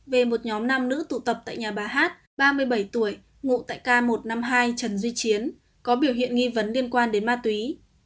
về một nhóm nam nữ tụ tập tại nhà bà hát ba mươi bảy tuổi ngụ tại k một trăm năm mươi hai trần duy chiến có biểu hiện nghi vấn liên quan đến ma túy